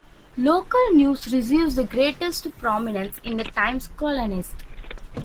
Local news receives the greatest prominence in the "Times Colonist".